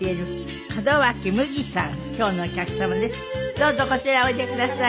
どうぞこちらへおいでください。